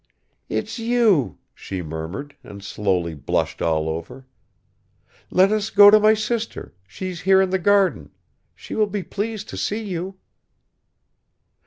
"It's you!" she murmured and slowly blushed all over; "let us go to my sister, she's here in the garden; she will be pleased to see you."